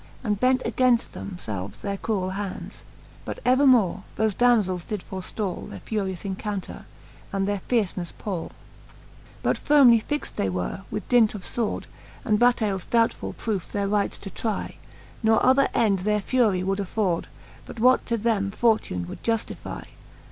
And bent againft them felves their cruell hands. But evermore thofe damzells did foreftall Their furious encounter, and their fierceneffe pall. VI. But Canto IV. the Faerie ^eene, 51 VI. But firmely fixt they were, with dint of fword, And battailes doubtfull proofe their rights to try, Ne other end their fury would afford, But what to them fortune would juftify.